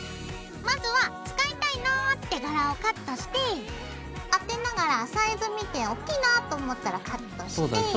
まずは使いたいなって柄をカットして当てながらサイズ見ておっきいなぁと思ったらカットして。